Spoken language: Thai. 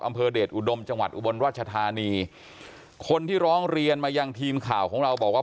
อำเภอเดชอุดมจังหวัดอุบลราชธานีคนที่ร้องเรียนมายังทีมข่าวของเราบอกว่า